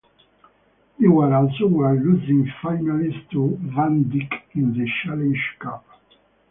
They were also were losing finalists to Vandyke in the Challenge Cup.